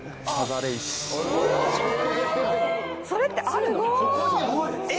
それってあるの？